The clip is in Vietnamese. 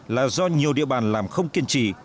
là do nhiều địa bàn làm không kiên trì